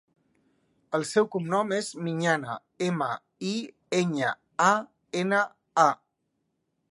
El seu cognom és Miñana: ema, i, enya, a, ena, a.